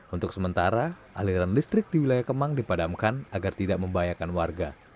untuk sementara aliran listrik di wilayah kemang dipadamkan agar tidak membahayakan warga